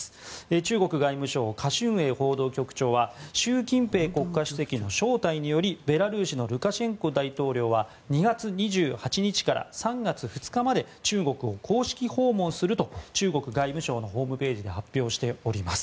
中国外務省カ・シュンエイ報道局長は習近平国家主席の招待によりベラルーシのルカシェンコ大統領は２月２８日から３月２日まで中国を公式訪問すると中国外務省のホームページで発表しております。